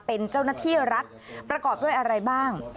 เป็นเจ้าหน้าที่รัฐประกอบด้วยอะไรบ้าง